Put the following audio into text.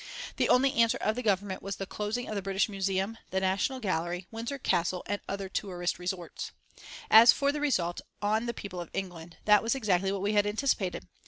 The only answer of the Government was the closing of the British Museum, the National Gallery, Windsor Castle, and other tourist resorts. As for the result on the people of England, that was exactly what we had anticipated.